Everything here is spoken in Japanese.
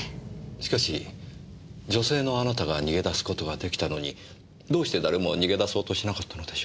しかし女性のあなたが逃げ出す事が出来たのにどうして誰も逃げ出そうとしなかったのでしょう。